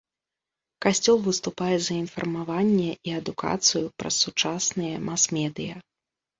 Касцёл выступае за інфармаванне і адукацыю праз сучасныя мас-медыя.